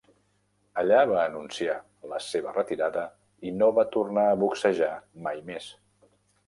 Allà va anunciar la seva retirada i no va tornar a boxejar mai més.